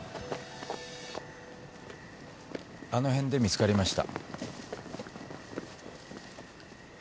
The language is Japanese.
あの辺で見つかりました。